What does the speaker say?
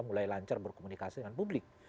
mulai lancar berkomunikasi dengan publik